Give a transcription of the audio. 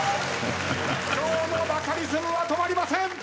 今日のバカリズムは止まりません！